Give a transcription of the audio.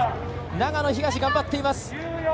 長野東、頑張っています。